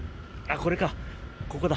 これか、ここだ。